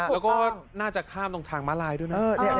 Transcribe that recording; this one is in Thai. แล้วก็น่าจะข้ามตรงทางม้าลายด้วยนะ